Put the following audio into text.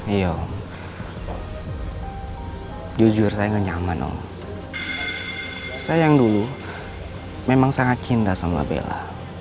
iyo jujur saya nyaman om sayang dulu memang sangat cinta sama bella